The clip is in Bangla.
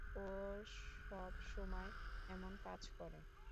ও সব সময় এমন কাজ করে।